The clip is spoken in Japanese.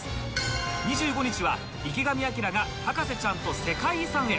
２５日は池上彰が博士ちゃんと世界遺産へ